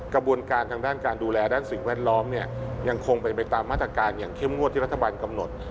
กระบวนการทางด้านการดูแลด้านสิ่งแวดล้อมเนี่ยยังคงเป็นไปตามมาตรการอย่างเข้มงวดที่รัฐบาลกำหนด